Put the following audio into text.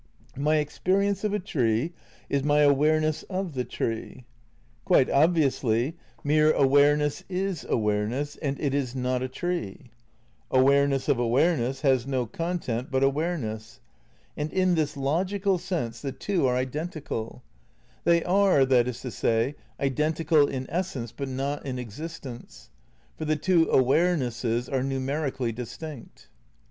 My experience of a tree is my awareness of the tree. Quite obviously, irtere awareness is awareness and it is not a tree. Awareness of awareness has no content but awareness ; and in this logical sense the two are iden > Space, Time and Deity, Vol. I, p. 12. 278 THE NEW IDEALISM ix tical. They are, that is to say, identical in essence but not in existence ; for the two awarenesses are numer ically distinct.